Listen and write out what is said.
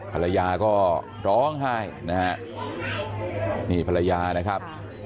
ภรรยาก็ร้องไห้นะครับ